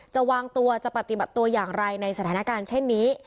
จะวางตัวจะปฏิบัติตัวอย่างไรในสถานการณ์เช่นนี้